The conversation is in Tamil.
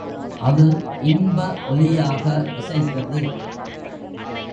அது இன்ப ஒலியாக இசைத்தது.